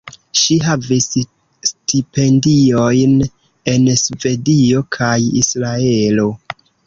Ŝi havis stipendiojn en Svedio kaj Israelo.